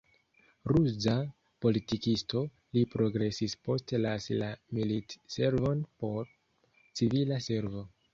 Ruza politikisto, li progresis post lasi la militservon por civila servo.